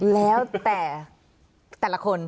แล้วแต่แต่ละคน